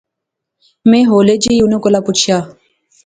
میں ہولے جئے انیں کولا پچھیا